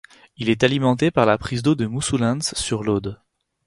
Il est alimenté par la prise d'eau de Moussoulens sur l'Aude.